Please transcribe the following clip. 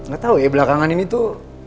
nggak tahu ya belakangan ini tuh